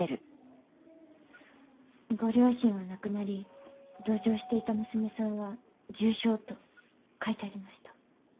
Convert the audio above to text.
ご両親は亡くなり同乗していた娘さんは重傷と書いてありました。